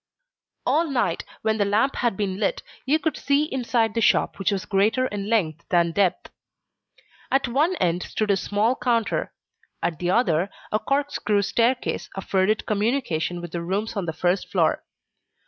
At night, when the lamp had been lit, you could see inside the shop which was greater in length than depth. At one end stood a small counter; at the other, a corkscrew staircase afforded communication with the rooms on the first floor.